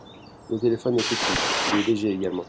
Le téléphone est petit, il est léger également.